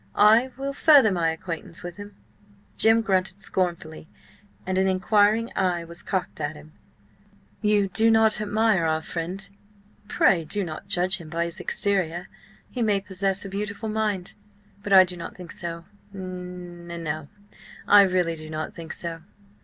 I will further my acquaintance with him." Jim grunted scornfully, and an inquiring eye was cocked at him. "You do not admire our friend? Pray, do not judge him by his exterior. He may possess a beautiful mind. But I do not think so. N no, I really do not think so."